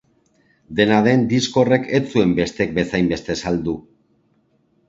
Dena den, disko horrek ez zuen besteek bezain beste saldu.